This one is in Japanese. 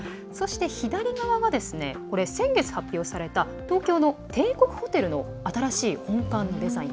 左側が先月発表された東京の帝国ホテルの新しい本館のデザイン。